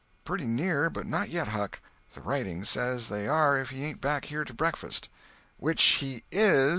"Pretty near, but not yet, Huck. The writing says they are if he ain't back here to breakfast." "Which he is!"